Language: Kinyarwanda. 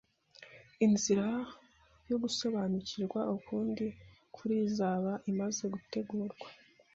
inzira yo gusobanukirwa ukundi kuri izaba imaze gutegurwa.